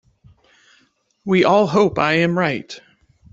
We all hope I am right.